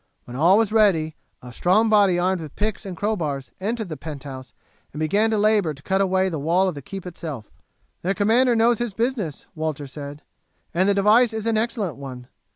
When all was ready a strong body armed with picks and crowbars entered the penthouse and began to labour to cut away the wall of the keep itself. "Their commander knows his business," Walter said, "and the device is an excellent one.